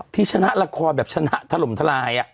ที่ชนะละครแบบชนะถล่มทลาย